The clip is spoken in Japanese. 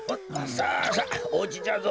さあさあおうちじゃぞ。